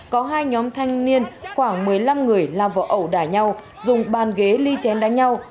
có hai nhóm thanh niên khoảng một mươi năm người làm vỏ ẩu đài nhau dùng bàn ghế ly chén đá nhau